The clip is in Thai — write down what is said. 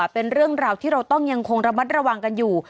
เป็นเรื่องราวที่เราต้องยังคงระมัดระวังกันอยู่